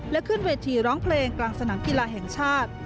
และขึ้นเวทีร้องเพลงกลางสนามกีฬาแห่งชาติ